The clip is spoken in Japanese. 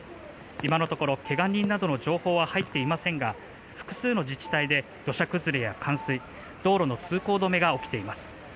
今のところ怪我人などの情報は入っていませんが複数の自治体で土砂崩れや冠水道路の通行止めが起きています。